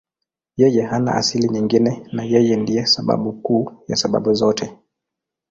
Yeye hana asili nyingine na Yeye ndiye sababu kuu ya sababu zote.